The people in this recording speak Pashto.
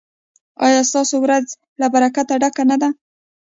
ایا ستاسو ورځ له برکته ډکه نه ده؟